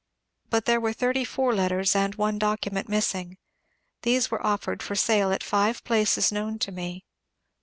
But there were thirty four letters and one document missing. These were offered for sale at five places known to me.